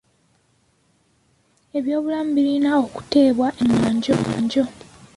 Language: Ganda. Ebyobulamu birina okuteeebwa ennyo ku kumwanjo.